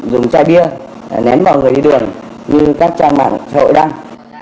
dùng chai bia ném vào người đi đường như các trang báo xã hội đang